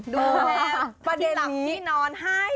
ดูแม่ที่หลับที่นอนให้